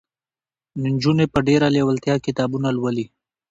نجونې په ډېره لېوالتیا کتابونه لولي.